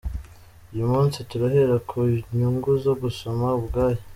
Uyu munsi, turahera ku inyungu zo gusoma ubwabyo :.